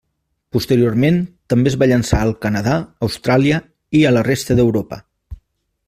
Posteriorment també es va llançar al Canadà, Austràlia i a la resta d'Europa.